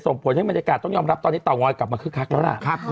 ส่งผลให้บรรยากาศต้องยอมรับตอนนี้เตางอยกลับมาคึกคักแล้วล่ะ